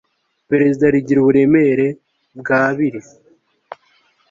Perezida rigira uburemere bw abiri